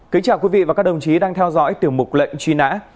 kính chào quý vị và các đồng chí đang theo dõi tiểu mục lệnh truy nã